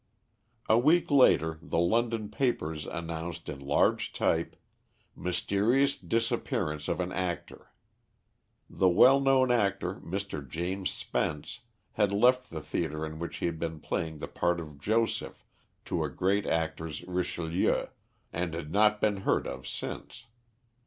A week later, the London papers announced in large type, "Mysterious disappearance of an actor." The well known actor, Mr. James Spence, had left the theatre in which he had been playing the part of Joseph to a great actor's Richelieu, and had not been heard of since.